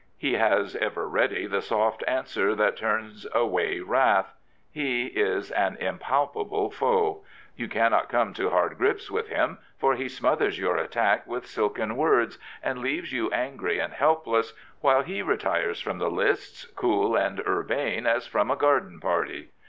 He has ever ready the soft answer that turns away wrath. He is an impalpable foe. You cannot come to hard grips with fflm, for he smothers your attack with silken words and leaves you angry and helpless, while he retires from the lists, cool and urbane as from a garden party.